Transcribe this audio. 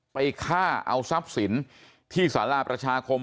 ไปฆ่าเอาทรัพย์สินที่สาราประชาคม